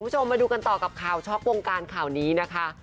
คุณผู้ชมมาดูกันต่อกับข่าวช็อกวงการข่าวนี้นะคะ